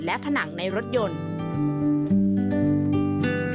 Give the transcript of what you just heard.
และผนังในรถยนต์